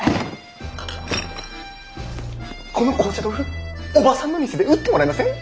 この紅茶豆腐おばさんの店で売ってもらえません？